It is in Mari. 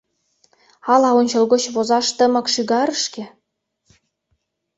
Ала ончылгоч возаш тымык шӱгарышке?